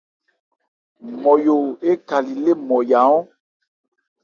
Nmɔyo ékhali lê Nmɔya ɔ́n.